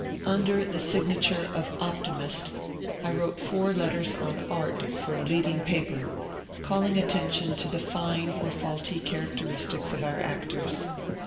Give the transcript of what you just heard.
Under the signature of ^' Optimist,'' I wrote four letters on Art for a leading paper, calling attention to the fine or faulty characteristics of our actors.